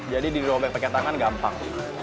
jadi dirobek pakai tangan gampang